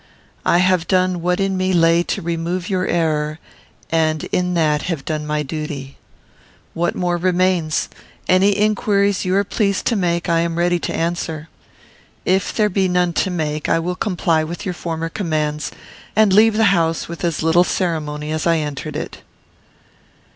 I have done what in me lay to remove your error; and, in that, have done my duty. What more remains? Any inquiries you are pleased to make, I am ready to answer. If there be none to make, I will comply with your former commands, and leave the house with as little ceremony as I entered it."